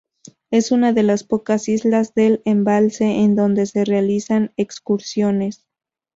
Es una de las pocas islas del embalse en donde se realizan excursiones.